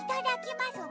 まますわ？